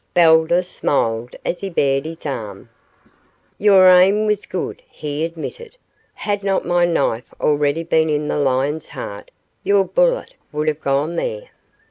Baldos smiled as he bared his arm. "Your aim was good," he admitted. "Had not my knife already been in the lion's heart, your bullet would have gone there.